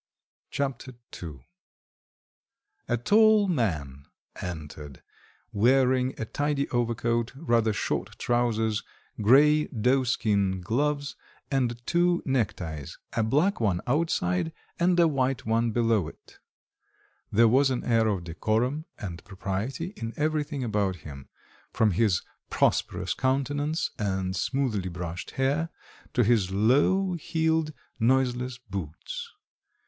Chapter II A tall man entered, wearing a tidy overcoat, rather short trousers, grey doeskin gloves, and two neckties a black one outside, and a white one below it. There was an air of decorum and propriety in everything about him, from his prosperous countenance and smoothly brushed hair, to his low heeled, noiseless boots.